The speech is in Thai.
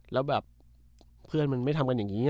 แล้วแบบเพื่อนมันไม่ทำกันอย่างนี้